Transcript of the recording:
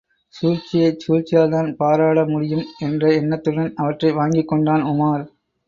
சூழ்ச்சியைச் சூழ்ச்சியால்தான் பாராட முடியும் என்ற எண்ணத்துடன் அவற்றை வாங்கிக் கொண்டான் உமார்.